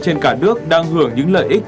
trên cả nước đang hưởng những lợi ích